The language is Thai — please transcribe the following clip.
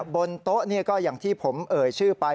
บนโต๊ะนี่ก็อย่างที่ผมเอ่ยชื่อไป